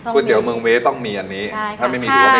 คุณเดี๋ยวเมืองเว้ต้องมีอันนี้ถ้าไม่มีดูว่าไม่ครบ